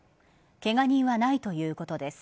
ケガ人はないということです。